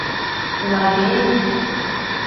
Лавей.